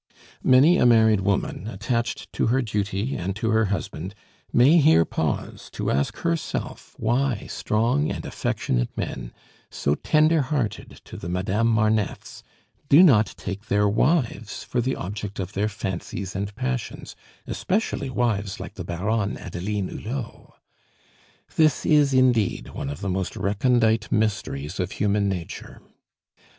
Many a married woman, attached to her duty and to her husband, may here pause to ask herself why strong and affectionate men, so tender hearted to the Madame Marneffes, do not take their wives for the object of their fancies and passions, especially wives like the Baronne Adeline Hulot. This is, indeed, one of the most recondite mysteries of human nature.